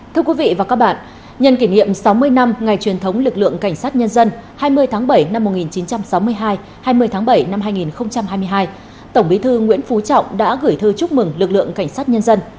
thưa quý vị và các bạn nhân kỷ niệm sáu mươi năm ngày truyền thống lực lượng cảnh sát nhân dân hai mươi tháng bảy năm một nghìn chín trăm sáu mươi hai hai mươi tháng bảy năm hai nghìn hai mươi hai tổng bí thư nguyễn phú trọng đã gửi thư chúc mừng lực lượng cảnh sát nhân dân